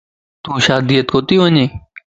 تون شاديت ڪوتي وڃين؟